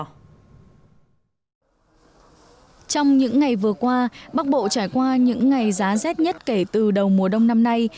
trong những ngày vừa qua bắc bộ trải qua những ngày giá rét nhất kể từ đầu mùa đông năm nay